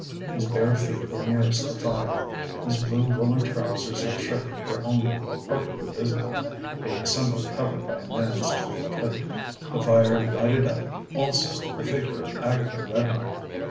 His bare feet were nearest the fire; his blue woollen trousers and shirt were only partly visible, being somewhat covered by a man's tweed coat. The fire lighted up, also, the figure of Agatha Redmond.